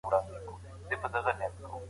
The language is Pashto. که انلاین زده کړه وي، نو وخت سپمېږي.